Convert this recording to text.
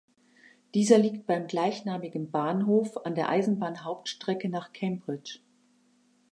Dieser liegt beim gleichnamigen Bahnhof an der Eisenbahnhauptstrecke nach Cambridge.